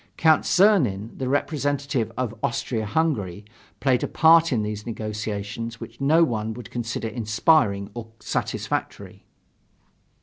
Count Czernin, the representative of Austria Hungary, played a part in those negotiations which no one would consider inspiring or satisfactory.